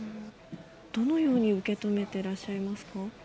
どのように受け止めてらっしゃいますか？